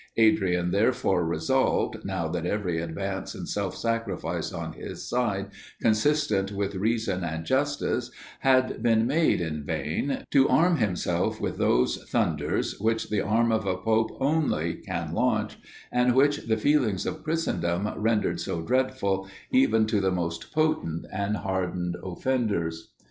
Adrian therefore resolved, now that every advance and self sacrifice on his side, consistent with reason and justice, had been made in vain, to arm himself with those thunders which the arm of a pope only can launch, and which the feelings of Christendom rendered so dreadful even to the most potent and hardened offenders.